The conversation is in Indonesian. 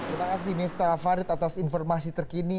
terima kasih miftah farid atas informasi terkini